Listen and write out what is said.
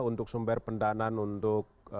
untuk sumber pendanaan untuk